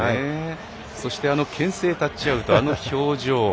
そしてけん制タッチアウト、あの表情。